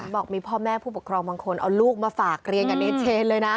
บอกมีพ่อแม่ผู้ปกครองบางคนเอาลูกมาฝากเรียนกับเนเชนเลยนะ